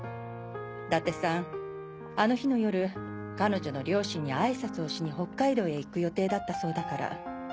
伊達さんあの日の夜彼女の両親にあいさつをしに北海道へ行く予定だったそうだから。